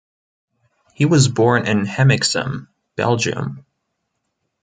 He was born in Hemiksem, Belgium.